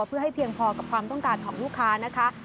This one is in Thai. เพื่อให้เพียงพอกับความต้องการของลูกค้านะคะ